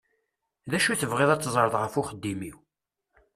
D acu i tebɣiḍ ad teẓṛeḍ ɣef uxeddim-iw?